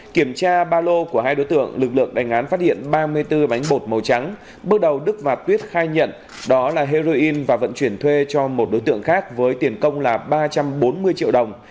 kiểm tra ba lô của hai đối tượng lực lượng đánh án phát hiện ba mươi bốn bánh bột màu trắng bước đầu đức và tuyết khai nhận đó là heroin và vận chuyển thuê cho một đối tượng khác với tiền công là ba trăm bốn mươi triệu đồng